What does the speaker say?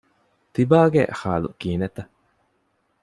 ތިބާގެ ޙާލު ކިހިނެއްތަ؟